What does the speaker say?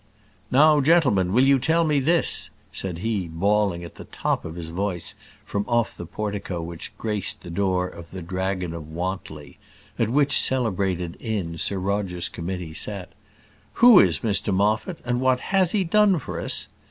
"Now, gentlemen, will you tell me this," said he, bawling at the top of his voice from off the portico which graced the door of the Dragon of Wantley, at which celebrated inn Sir Roger's committee sat: "Who is Mr Moffat, and what has he done for us?